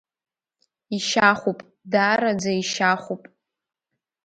Ишьахәуп, даараӡа ишьа-хәуп!